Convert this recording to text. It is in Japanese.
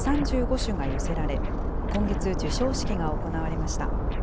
首が寄せられ、今月、授賞式が行われました。